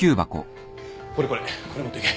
これこれこれ持っていけ。